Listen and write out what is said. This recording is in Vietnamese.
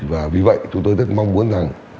và vì vậy chúng tôi rất mong muốn rằng